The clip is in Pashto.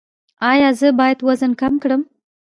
ایا زه باید وزن کم کړم؟